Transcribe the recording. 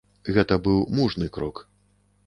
Гэта быў мужны крок.